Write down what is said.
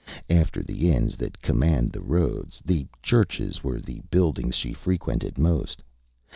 After the inns that command the roads, the churches were the buildings she frequented most.